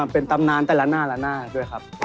เป็นตำนานแต่ละหน้าด้วยครับ